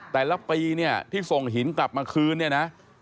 แต่ละปีเนี่ยที่ส่งหินกลับมาคืนเนี่ยนะ